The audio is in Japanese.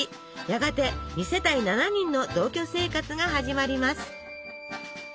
やがて２世帯７人の同居生活が始まります。